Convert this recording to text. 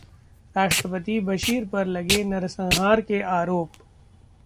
राष्ट्रपति बशीर पर लगे नरसंहार के आरोप